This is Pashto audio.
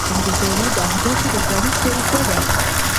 پلانګذاري د اهدافو د تعریف پروسه ده.